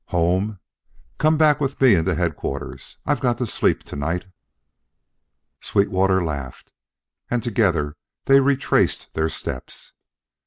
"Home! Come back with me into Headquarters. I've got to sleep to night." Sweetwater laughed, and together they retraced their steps.